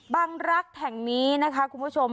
รักแห่งนี้นะคะคุณผู้ชม